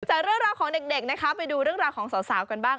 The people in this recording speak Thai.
จากเรื่องราวของเด็กนะคะไปดูเรื่องราวของสาวกันบ้าง